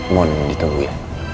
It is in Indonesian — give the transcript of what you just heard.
mohon ditunggu ya